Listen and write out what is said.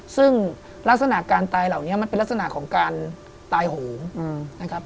ซึ่งลักษณะการตายเหล่านี้มันเป็นลักษณะของการตายโหงนะครับ